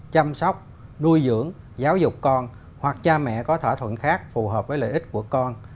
chăm sóc nuôi dưỡng giáo dục con hoặc cha mẹ có thỏa thuận khác phù hợp với lợi ích của con